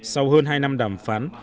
sau hơn hai năm đàm phán